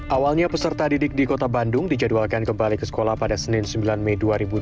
awalnya peserta didik di kota bandung dijadwalkan kembali ke sekolah pada senin sembilan mei dua ribu dua puluh